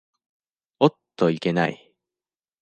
おっといけない。